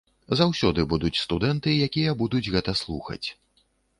Заўсёды будуць студэнты, якія будуць гэта слухаць.